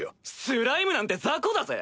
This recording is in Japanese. スライムなんて雑魚だぜ？